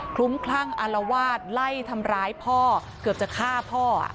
ลุ้มคลั่งอารวาสไล่ทำร้ายพ่อเกือบจะฆ่าพ่อ